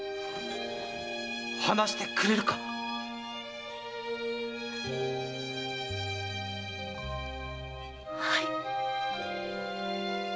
話してくれるか⁉はい！